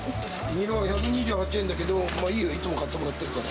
ニラは１２８円だけど、いいよ、いつも買ってもらってるから。